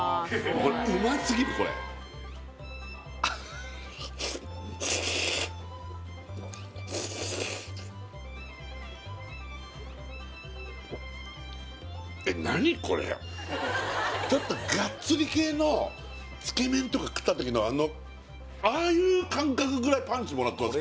これうますぎるこれちょっとがっつり系のつけ麺とか食ったときのあのああいう感覚ぐらいパンチもらってます